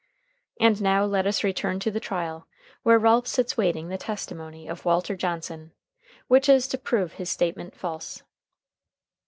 And now let us return to the trial, where Ralph sits waiting the testimony of Walter Johnson, which is to prove his statement false.